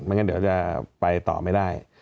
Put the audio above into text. งั้นเดี๋ยวจะไปต่อไม่ได้